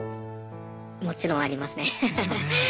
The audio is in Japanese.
もちろんありますね。ですよね。